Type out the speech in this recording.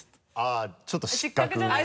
あっちょっと失格。